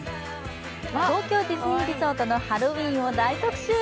東京ディズニーリゾートのハロウィーンを大特集。